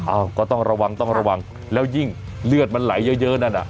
อ่าก็ต้องระวังแล้วยิ่งเลือดมันไหลเยอะอันนั้นอ่ะ